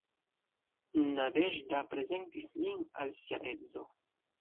Nadeĵda prezentis lin al sia edzo.